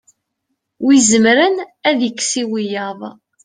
wi izemren ad ikkes i wiyaḍ